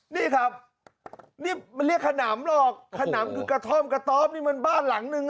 นี่ครับนี่มันเรียกขนำหรอกขนำคือกระท่อมกระต๊อบนี่มันบ้านหลังนึง